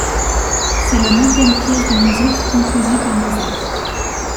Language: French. C'est le neuvième pièce de musique composée par Mozart.